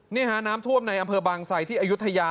นี่ฮะน้ำท่วมในอำเภอบางไซที่อายุทยา